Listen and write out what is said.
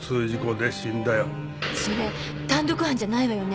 それ単独犯じゃないわよね。